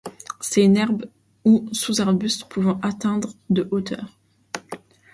C'est une herbe ou sous-arbuste pouvant atteindre de hauteur.